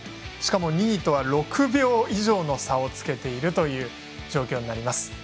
しかも２位とは６秒以上の差をつけているという状況になります。